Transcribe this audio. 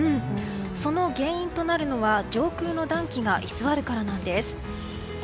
その原因となるのは上空の暖気が居座るからなんです。